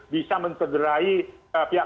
bisa mensegerai pihak